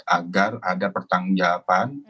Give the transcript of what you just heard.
agar ada pertanggung jawaban